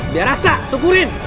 biar rasa syukurin